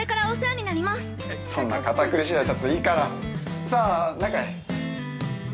◆そんな堅苦しい挨拶いいから、さぁ、中へ！